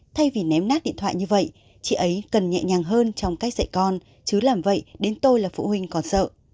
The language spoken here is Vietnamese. thay vì ném nát điện thoại như vậy chị ấy cần nhẹ nhàng hơn trong cách dạy con chứ làm vậy đến tôi là phụ huynh còn sợ